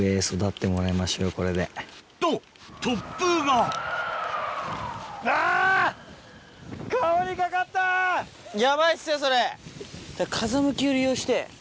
と突風がヤバいっすよそれ。